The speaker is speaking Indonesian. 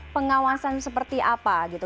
pengawasan seperti apa gitu